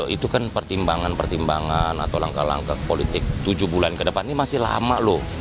itu kan pertimbangan pertimbangan atau langkah langkah politik tujuh bulan ke depan ini masih lama loh